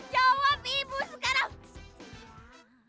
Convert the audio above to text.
jawab ibu sekarang